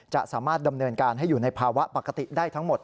จะสามารถดำเนินการให้อยู่ในภาวะปกติได้ทั้งหมด